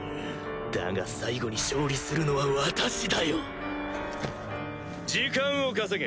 だが最後に勝利するのは私だよ！時間を稼げ！